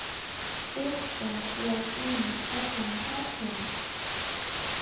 Piqpa wasinmi aswan hatun?